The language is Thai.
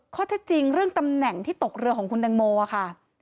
ข้อเท็จจริงเรื่องตำแหน่งที่ตกเรือของคุณตังโมค่ะ